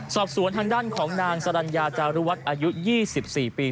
สอบสวนทางด้านของนางสรรญาจารุวัฒน์อายุ๒๔ปี